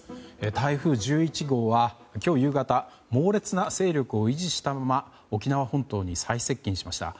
台風１１号は今日夕方猛烈な勢力を維持したまま沖縄本島に最接近しました。